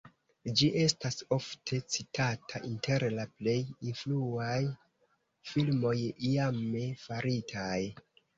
Ĝi estas ofte citata inter la plej influaj filmoj iame faritaj.